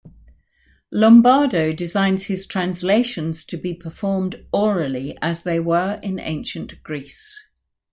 Lombardo designs his translations to be performed orally, as they were in ancient Greece.